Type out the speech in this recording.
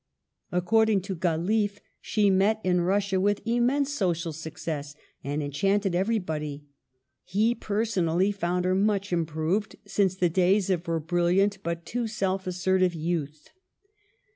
According to Galiffe, she met in Russia with immense social success, and enchanted every body. He, personally, found her much improved since the days of her brilliant, but too self assert ing youth.